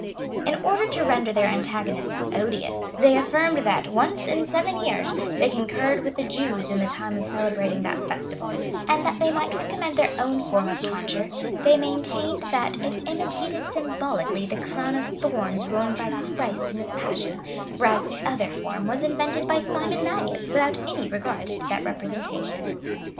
In order to render their antagonists odious, they affirmed that, once in seven years, they concurred with the Jews in the time of celebrating that festival;[*] and that they might recommend their own form of tonsure, they maintained, that it imitated symbolically the crown of thorns worn by Christ in his passion; whereas the other form was invented by Simon Magus, without any regard to that representation.